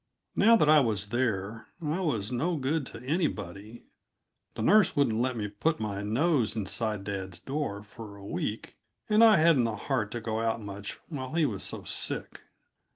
Now that I was there, I was no good to anybody. The nurse wouldn't let me put my nose inside dad's door for a week, and I hadn't the heart to go out much while he was so sick.